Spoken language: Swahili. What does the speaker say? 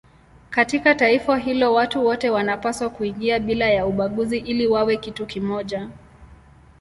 Katika taifa hilo watu wote wanapaswa kuingia bila ya ubaguzi ili wawe kitu kimoja.